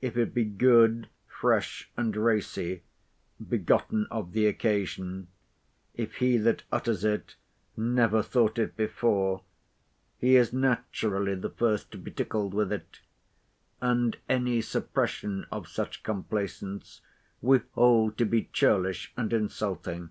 If it be good, fresh, and racy—begotten of the occasion; if he that utters it never thought it before, he is naturally the first to be tickled with it; and any suppression of such complacence we hold to be churlish and insulting.